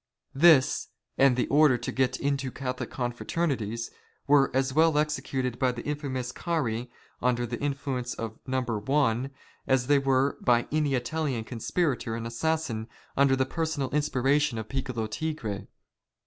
This, and the order to get into Catholic confraternities, were as well executed by the infamous Carey under the influence of " No. One," as they were by any Italian conspirator and assassin^ under the personal inspiration of Piccolo Tigre.